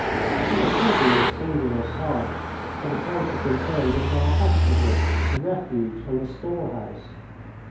It was certainly a singular sight, for the place had been turned into an hospital, a refuge, and a store house.